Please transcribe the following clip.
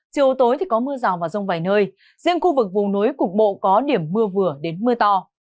chiều tối có mưa rào vào rông vài nơi riêng khu vực vùng nối cục bộ có điểm mưa vừa đến mưa to